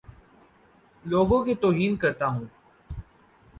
لوگوں کے توہین کرتا ہوں